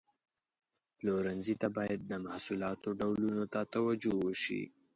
پلورنځي ته باید د محصولاتو ډولونو ته توجه وشي.